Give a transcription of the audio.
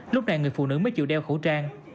lúc này người phụ nữ mới chịu đeo khẩu trang